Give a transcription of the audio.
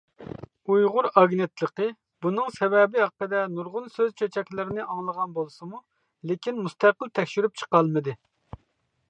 ئۇيغۇر ئاگېنتلىقى بۇنىڭ سەۋەبى ھەققىدە نۇرغۇن سۆز-چۆچەكلەرنى ئاڭلىغان بولسىمۇ، لېكىن مۇستەقىل تەكشۈرۈپ چىقالمىدى.